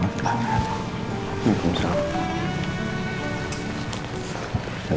assalamualaikum wr wb